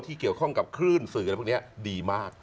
เกี่ยวข้องกับคลื่นสื่ออะไรพวกนี้ดีมาก